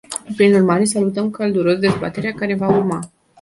Prin urmare, salutăm călduros dezbaterea care va urma.